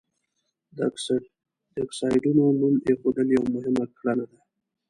د اکسایډونو نوم ایښودل یوه مهمه کړنه ده.